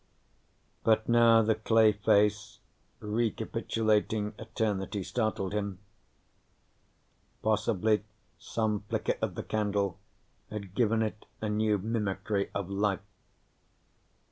But now the clay face, recapitulating eternity, startled him. Possibly some flicker of the candle had given it a new mimicry of life.